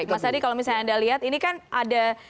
mas adi kalau misalnya anda lihat ini kan ada